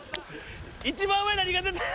一番上何が出てる？